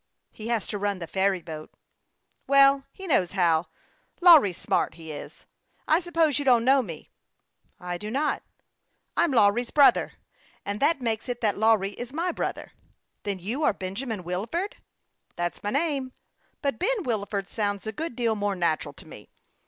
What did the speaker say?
" He has to run the ferry boat." "Well, he knows how. Lawry's smart he is. I suppose you don't know me." "I do not." " I'm Lawry's brother ; and that makes it that Lawry is my brother." " Then you are Benjamin Wilford ?"" That's my name ; but Ben Wilford sounds a good deal more natural to me.